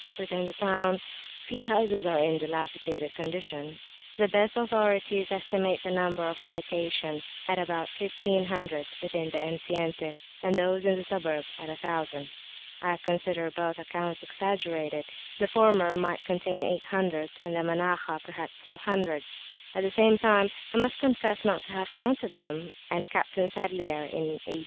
Within the town few houses are in a dilapidated condition. The best authorities estimate the number of habitations at about 1500 within the enceinte, and those in the suburb at 1000. I consider both accounts exaggerated; the former might contain 800, and the Manakhah perhaps 500; at the same time I must confess not to have counted them, and Captain Sadlier (in A.